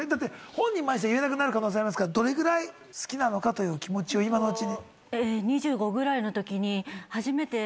本人を前にして言えなくなる可能性あるからどれぐらい好きなのかという気持ちを今のうちに。